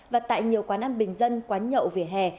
và tại nhiều quán ăn bình dân quán nhậu về hè